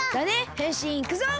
へんしんいくぞ！